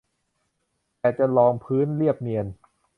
แตะจนรองพื้นเรียบเนียน